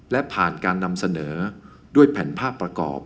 และผ่านการนำเสนอด้วยแผ่นภาพประกอบ